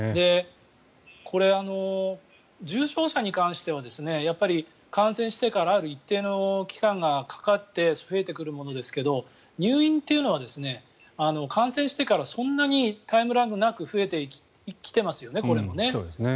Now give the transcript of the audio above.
これ、重症者に関しては感染してからある一定の期間がかかって増えてくるものですが入院というのは感染してからそんなにタイムラグなく増えてきていますよね。